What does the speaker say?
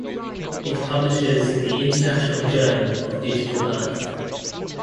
It publishes the "International Journal of Digital Earth".